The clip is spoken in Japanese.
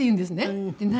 「何？」